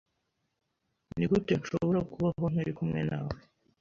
Nigute nshobora kubaho ntari kumwe nawe